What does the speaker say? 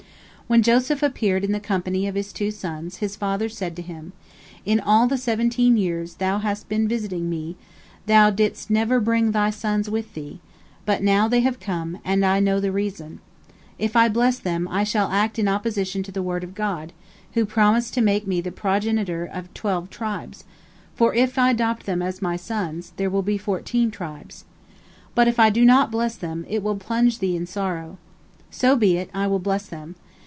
When Joseph appeared in the company of his two sons, his father said to him: "In all the seventeen years thou hast been visiting me, thou didst never bring thy sons with thee, but now they have come, and I know the reason. If I bless them, I shall act in opposition to the word of God, who promised to make me the progenitor of twelve tribes, for if I adopt them as my sons, there will be fourteen tribes. But if I do not bless them, it will plunge thee in sorrow. So be it, I will bless them.